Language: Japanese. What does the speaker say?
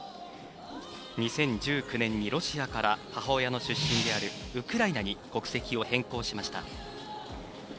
２０１９年にロシアから母親の出身であるウクライナに国籍を変更しました。